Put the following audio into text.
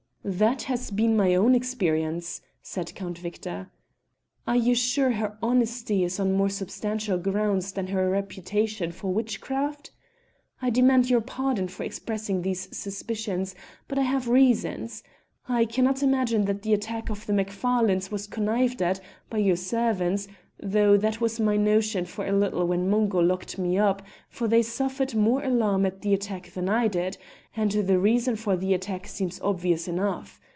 "That has been my own experience," said Count Victor. "Are you sure her honesty is on more substantial grounds than her reputation for witchcraft? I demand your pardon for expressing these suspicions, but I have reasons. I cannot imagine that the attack of the Macfarlanes was connived at by your servants, though that was my notion for a little when Mungo locked me up, for they suffered more alarm at the attack than I did, and the reason for the attack seems obvious enough.